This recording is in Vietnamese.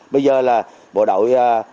bây giờ là bộ đội